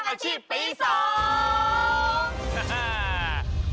ประชิปปี๒